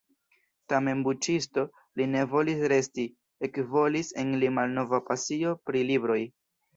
Tamen buĉisto li ne volis resti: ekbolis en li malnova pasio pri libroj.